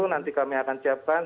nanti kami akan siapkan